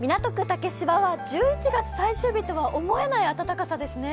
竹芝は１１月最終日とは思えない暖かさですね。